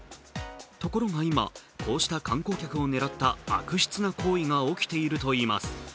ところが今、こうした観光客を狙った悪質な行為が起きているといいます。